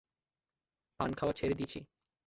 পান খাওয়া ছেড়ে দিছি।